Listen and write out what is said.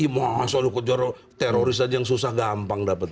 masa dikejar teroris aja yang susah gampang dapet